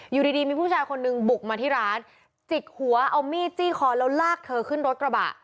อยู่ดีมีผู้ชายคนนึงบุกมาที่ร้านจิกหัวเอามีดจี้คอแล้วลากเธอขึ้นรถกระบะ